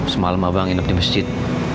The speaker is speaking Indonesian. semalam abang nginep di masjid